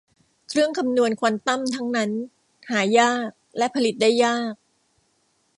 เครื่องคำนวณควอนตัมทั้งนั้นหายากและผลิตได้ยาก